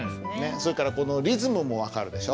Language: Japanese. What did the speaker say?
それからこのリズムも分かるでしょ。